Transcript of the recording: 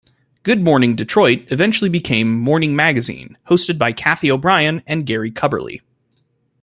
"Good Morning, Detroit" eventually became "Morning Magazine", hosted by Kathy O'Brien and Gary Cubberly.